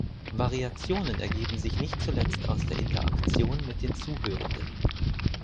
Variationen ergeben sich nicht zuletzt aus der Interaktion mit den Zuhörenden.